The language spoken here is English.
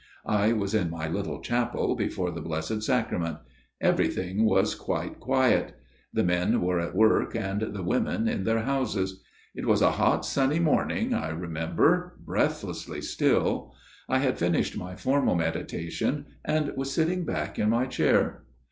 I was in my little chapel, before the Blessed Sacrament. Everything was quite quiet ; the men were at work, and the women in their houses ; it was a hot sunny morning I remem ber, breathlessly still : I had finished my formal 104 A MIRROR OF SHALOTT meditation, and was sitting back in my chair.